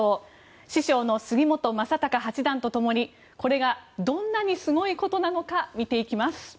師匠の杉本昌隆八段とともにこれがどんなにすごいことなのか見ていきます。